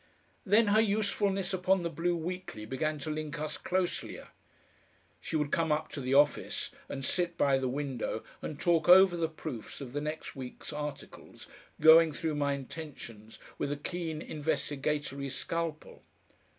Then her usefulness upon the BLUE WEEKLY began to link us closelier. She would come up to the office, and sit by the window, and talk over the proofs of the next week's articles, going through my intentions with a keen investigatory scalpel.